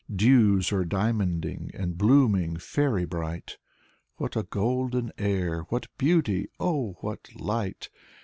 Dews are diamonding and blooming faery bright. What a golden air! What beauty! Oh, what light!